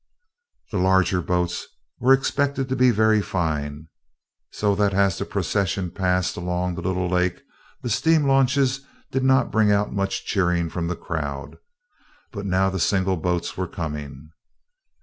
The larger boats were expected to be very fine, so that as the procession passed along the little lake the steam launches did not bring out much cheering from the crowd. But now the single boats were coming.